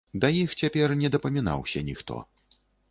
Ды іх цяпер не дапамінаўся ніхто.